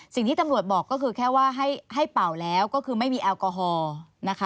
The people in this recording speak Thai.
สิ่งที่ตำรวจบอกก็คือแค่ว่าให้เป่าแล้วก็คือไม่มีแอลกอฮอล์นะคะ